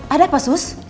ada apa sus